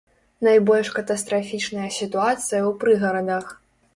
Найбольш катастрафічная сітуацыя ў прыгарадах.